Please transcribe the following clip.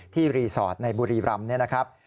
ที่รีสอร์ทในบุรีบรรมนะครับ